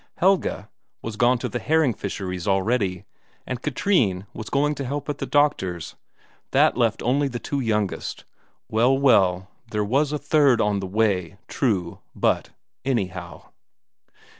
Helge was gone to the herring fisheries already, and Katrine was going to help at the doctor's. That left only the two youngest well, well, there was a third on the way, true, but, anyhow